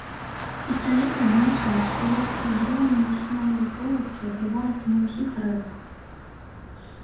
Спецыяліст адзначыла, што рост узроўню вясновай паводкі адбываецца на ўсіх рэках.